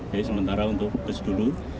jadi sementara untuk bus dulu